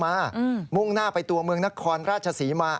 มุ่งหน้าไปตัวเมืองนครราชศรีมา